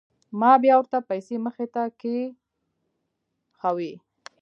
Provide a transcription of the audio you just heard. ما بيا ورته پيسې مخې ته کښېښووې.